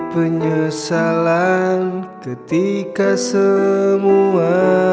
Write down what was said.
penyesalan ketika semua